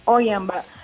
oh ya mbak